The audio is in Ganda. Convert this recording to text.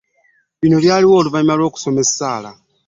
Bino byaliwo oluvannyuma lw'okusoma ensala